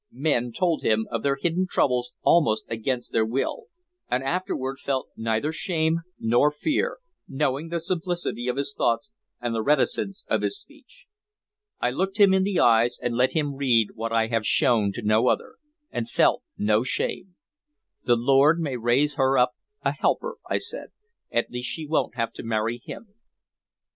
Men told him of their hidden troubles almost against their will, and afterward felt neither shame nor fear, knowing the simplicity of his thoughts and the reticence of his speech. I looked him in the eyes, and let him read what I would have shown to no other, and felt no shame. "The Lord may raise her up a helper," I said. "At least she won't have to marry him."